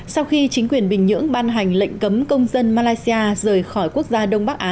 sau khi chính quyền bình nhưỡng ban hành lệnh cấm công dân malaysia rời khỏi quốc gia đông bắc á